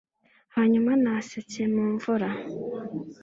hanyuma nasetse mu mvura